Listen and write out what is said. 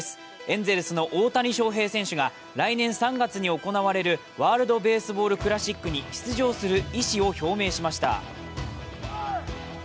エンゼルスの大谷翔平選手が来年３月に行われるワールドベースボールクラシックに出場する意思を表明しました。